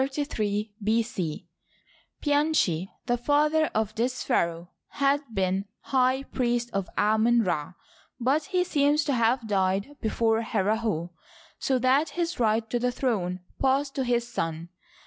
Pianchi, the father of this pharaoh, had been high priest of Amon Ra ; but he seems to have died be fore Herihor, so that his right to the throne passed to his son.